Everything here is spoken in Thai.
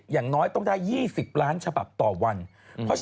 ไม่ใช่สายวิทย์